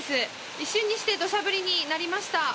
一瞬にして土砂降りになりました。